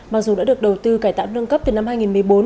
mặc dù đã được đầu tư cải tạo nâng cấp từ năm hai nghìn một mươi bốn